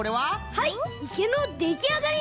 はいいけのできあがり！